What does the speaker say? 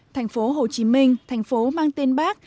thành phố hồ chí minh thành phố mang tên bác